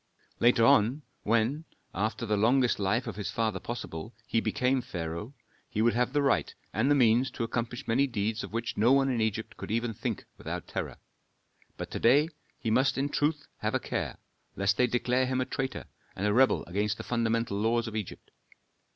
Later on, when, after the longest life of his father possible, he became pharaoh, he would have the right and the means to accomplish many deeds of which no one in Egypt could even think without terror. But to day he must in truth have a care, lest they declare him a traitor and a rebel against the fundamental laws of Egypt.